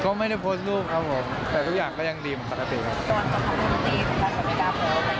ก็ไม่ได้โพสต์รูปครับผมแต่ทุกอย่างก็ยังดีเหมือนปกติครับ